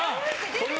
これは？